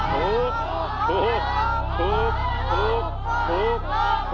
พลัง